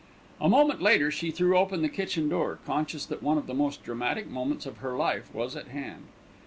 A moment later she threw open the kitchen door, conscious that one of the most dramatic moments of her life was at hand.